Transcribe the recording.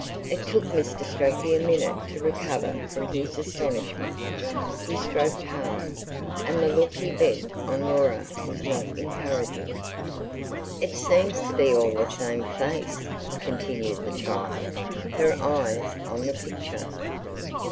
It took Mr. Strachey a minute to recover from his astonishment. He stroked hard, and the look he bent on Laura was not encouraging. "It seems to be all the same face," continued the child, her eyes on the picture.